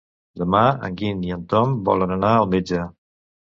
Demà en Guim i en Tom volen anar al metge.